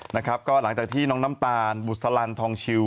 นะครับก็หลังจากที่น้องน้ำตาลบุษลันทองชิว